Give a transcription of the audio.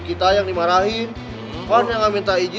katanya lagi jatuh cinta lagi